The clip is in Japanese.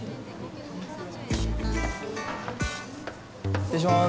失礼します。